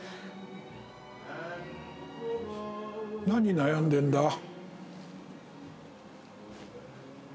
何悩んでんだ？